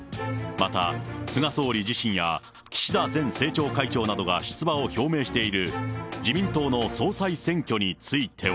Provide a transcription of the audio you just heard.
また菅総理自身や岸田前政調会長などが出馬を表明している、自民党の総裁選挙については。